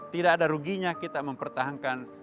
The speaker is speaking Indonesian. tidak ada ruginya kita mempertahankan